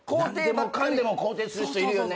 何でもかんでも肯定する人いるよね。